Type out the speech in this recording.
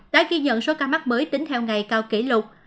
đã ghi nhận số ca mắc mới tính theo ngày cao kỷ lục